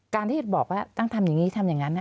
การที่บอกว่าต้องทำอย่างนี้ทำอย่างนั้น